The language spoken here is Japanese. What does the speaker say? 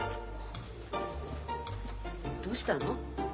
どうしたの？